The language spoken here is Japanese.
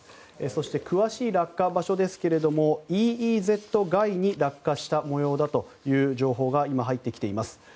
そして、詳しい落下場所ですがＥＥＺ外に落下した模様だという情報が今、入ってきています。